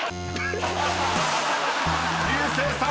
［竜星さん